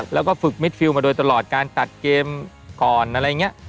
แล้วก็ฝึกมิดฟิลมาโดยตลอดการตัดเกมก่อนอะไรอย่างนี้